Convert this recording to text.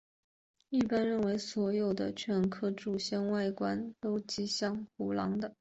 一般认为所有犬科祖先的外观及行为都像胡狼的。